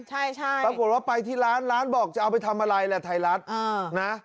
ใช่ใช่ปรากฏว่าไปที่ร้านร้านบอกจะเอาไปทำอะไรแหละไทยรัฐนะ